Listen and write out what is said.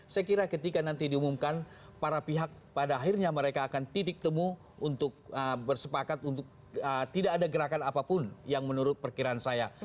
saya kira ketika nanti diumumkan para pihak pada akhirnya mereka akan titik temu untuk bersepakat untuk tidak ada gerakan apapun yang menurut perkiraan saya